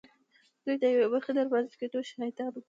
دوی د یوې برخې د رامنځته کېدو شاهدان وو